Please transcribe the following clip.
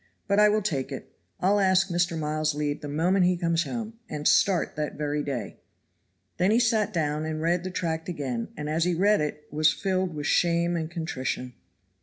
But I will take it. I'll ask Mr. Miles's leave the moment he comes home, and start that very day." Then he sat down and read the tract again, and as he read it was filled with shame and contrition.